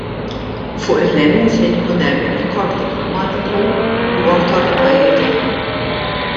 Fuq il-lemin se jkun hemm il-korp diplomatiku u awtoritajiet oħra.